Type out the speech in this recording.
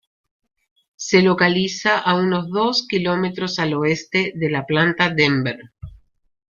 Se localiza a unos dos kilómetros al oeste de la Planta Denver.